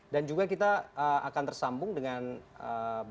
dan juga kita akan tersambung dengan bambang haryo